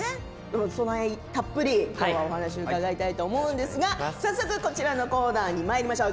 その辺たっぷり今日お話を伺いたいと思うんですが早速こちらのコーナーにまりましょう。